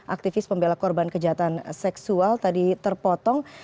aktivis pembela korban kejahatan seksual tadi terpotong